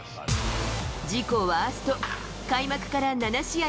自己ワースト、開幕から７試合